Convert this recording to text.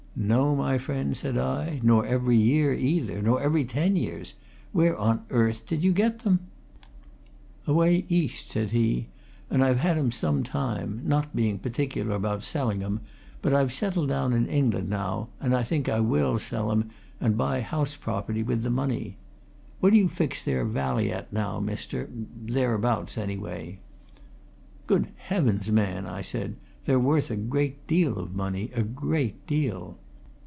"No, my friend," said I, "nor every year, either, nor every ten years. Where on earth did you get them " "Away East," said he, "and I've had 'em some time, not being particular about selling 'em, but I've settled down in England now, and I think I will sell 'em and buy house property with the money. What do you fix their vally at, now, mister thereabouts, anyway?" "Good heavens, man!" I said. "They're worth a great deal of money a great deal."